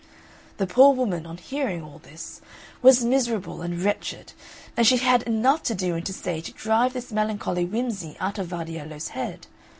The poor woman, on hearing all this, was miserable and wretched, and she had enough to do and to say to drive this melancholy whimsey out of Vardiello's head.